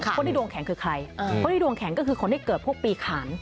คนที่ดวงแข็งคือใครคนที่ดวงแข็งก็คือคนที่เกิดพวกปีขาน